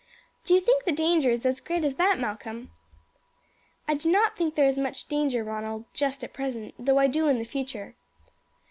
"Do you think the danger is as great as that, Malcolm?" "I do not think there is much danger, Ronald, just at present, though I do in the future."